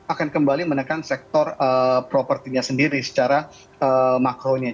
akan kembali menekan sektor propertinya sendiri secara makronya